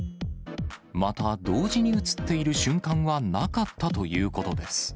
また同時に写っている瞬間はなかったということです。